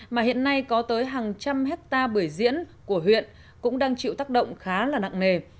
mà hiện nay có tới hàng trăm hectare bưởi diễn của huyện cũng đang chịu tác động khá là nặng nề